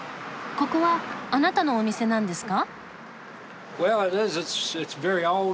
ここはあなたのお店なんですか？